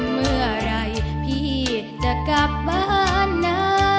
เมื่อไหร่พี่จะกลับบ้านนะ